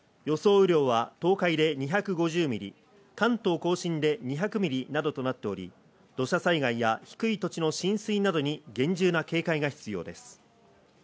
雨量は東海で２５０ミリ、関東甲信で２００ミリなどとなっており、土砂災害や低い土地の浸水などに厳重な警戒が必要です。